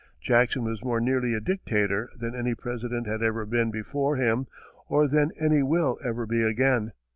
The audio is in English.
Jackson was more nearly a dictator than any President had ever been before him, or than any will ever be again.